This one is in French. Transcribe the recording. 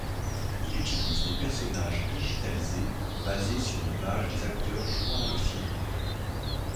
Il utilise des personnages digitalisés basés sur l'image des acteurs jouant dans le film.